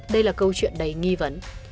đây là câu chuyện đầy nghi vấn